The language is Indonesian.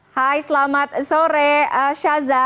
hai selamat sore shaza